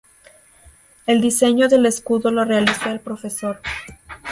El diseño del escudo lo realizó el Prof.